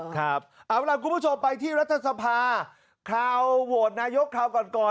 เอาล่ะคุณผู้ชมไปที่รัฐสภาคราวโหวตนายกคราวก่อนก่อน